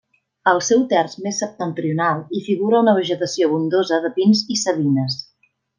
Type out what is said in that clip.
Al seu terç més septentrional hi figura una vegetació abundosa de pins i savines.